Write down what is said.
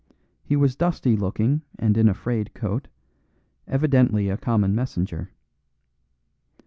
He was dusty looking and in a frayed coat, evidently a common messenger.